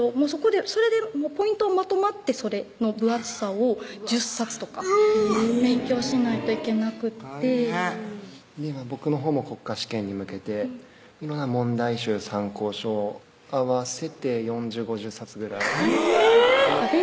それでポイントまとまってそれの分厚さを１０冊とか勉強しないといけなくって大変僕のほうも国家試験に向けて今の問題集・参考書合わせて４０５０冊ぐらいグワー！